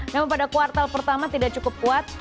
namun pada kuartal pertama tidak cukup kuat